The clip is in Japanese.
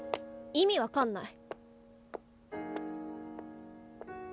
意味分かんない。